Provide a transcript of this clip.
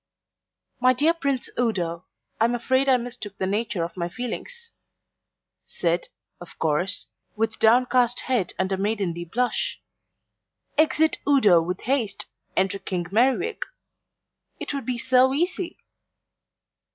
"My dear Prince Udo, I'm afraid I mistook the nature of my feelings" said, of course, with downcast head and a maidenly blush. Exit Udo with haste, enter King Merriwig. It would be so easy.